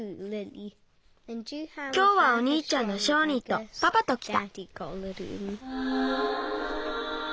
きょうはおにいちゃんのショーニーとパパときた。